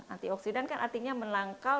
antioksidan kan artinya menangkal